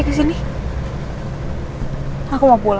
kita dimana ini bas